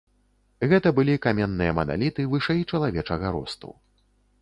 Гэта былі каменныя маналіты вышэй чалавечага росту.